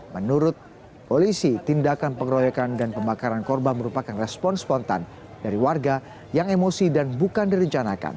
menurut polisi tindakan pengeroyokan dan pembakaran korban merupakan respon spontan dari warga yang emosi dan bukan direncanakan